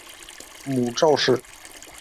母赵氏。